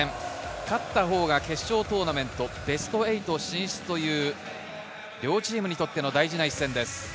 勝ったほうが決勝トーナメント、ベスト８進出という両チームにとっての大事な一戦です。